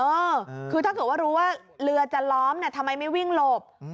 เออคือถ้าเกิดว่ารู้ว่าเรือจะล้อมทำไมไม่วิ่งหลบ